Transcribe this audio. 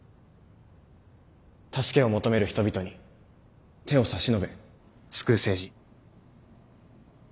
助けを求める人々に手を差し伸べ救う政治。